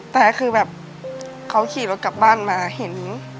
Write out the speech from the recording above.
แต่คือแบบเขาขี่รถกลับบ้านมาเห็น